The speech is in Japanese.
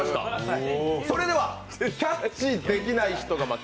それではキャッチできない人が負け！